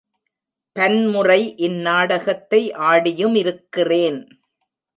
பன்முறை இந்நாடகத்தை ஆடியுமிருக்கிறேன்.